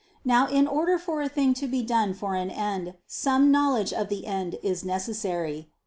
Now in order for a thing to be done for an end, some knowledge of the end is necessary.